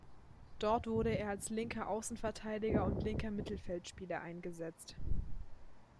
Dort wurde er als linker Außenverteidiger und linker Mittelfeldspieler eingesetzt.